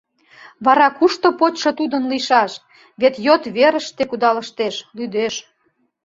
— Вара кушто почшо тудын лийшаш, вет йот верыште кудалыштеш, лӱдеш.